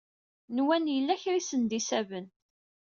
Nwan yella kra i sen-d-isaben.